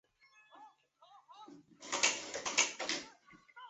反派角色可能代表反派或对立角色。